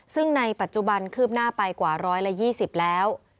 ซึ่งในปัจจุบันคืบหน้าไปกว่า๑๒๐แล้ว